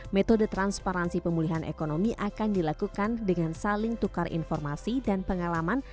metode transparansi pemulihan ekonomi akan dilakukan dengan saling tukar informasi dan pengalaman